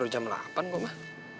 jam delapan kok mah